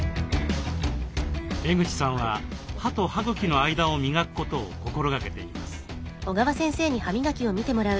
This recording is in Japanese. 江口さんは歯と歯茎の間を磨くことを心がけています。